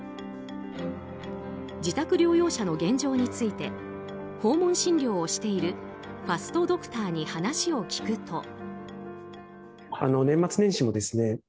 自宅療養者の現状について訪問診療をしているファストドクターに話を聞くと。